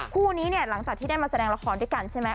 คู่นี้เนี่ยหลังจากที่ได้มาแสดงละครด้วยกันใช่ไหม